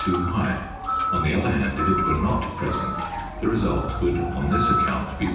too high; on the other hand, if it were not present the result would on this account be